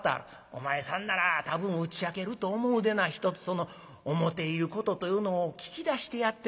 お前さんなら多分打ち明けると思うでなひとつその思ていることというのを聞き出してやってもらいたい。